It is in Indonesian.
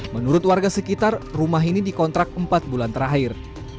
menurut warga sekitar rumah ini dikontrak empat bulan terakhir